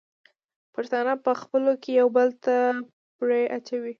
پښتانه په خپلو کې یو بل ته پړی اچوي.